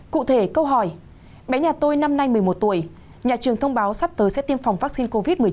cụ thể câu hỏi bé nhà tôi năm nay một mươi một tuổi nhà trường thông báo sắp tới sẽ tiêm phòng vaccine covid một mươi chín